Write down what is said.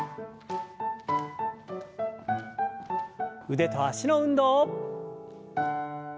腕と脚の運動。